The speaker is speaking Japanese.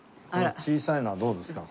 小さいのはどうですか？